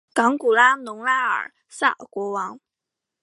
冈古农拉尔萨国王。